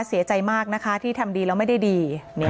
เสียใจมากนะคะที่ทำดีแล้วไม่ได้ดี